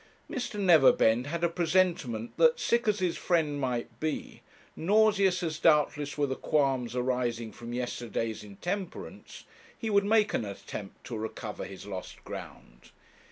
Mr. Neverbend had a presentiment that, sick as his friend might be, nauseous as doubtless were the qualms arising from yesterday's intemperance, he would make an attempt to recover his lost ground.